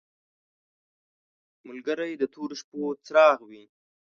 ملګری د تورو شپو څراغ وي.